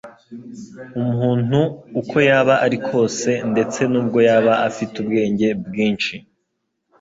Umuntu uko yaba ari kose ndetse nubwo yaba afite ubwenge bwinshi;